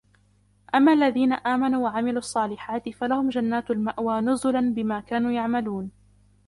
أما الذين آمنوا وعملوا الصالحات فلهم جنات المأوى نزلا بما كانوا يعملون